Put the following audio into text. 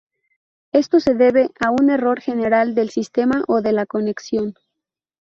Esto se debe a un error general del sistema o de la conexión.